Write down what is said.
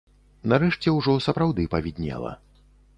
Нарэшце ўжо сапраўды павіднела.